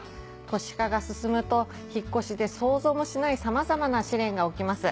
都市化が進むと引っ越しで想像もしないさまざまな試練が起きます。